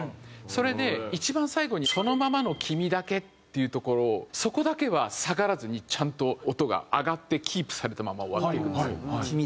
それで一番最後に「そのままの君だけ」っていうところそこだけは下がらずにちゃんと音が上がってキープされたまま終わっていくんですよ。